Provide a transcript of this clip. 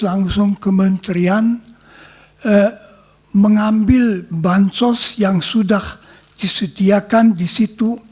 langsung kementerian mengambil bansos yang sudah disediakan di situ